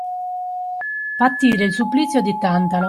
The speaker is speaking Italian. Patire il supplizio di Tantalo.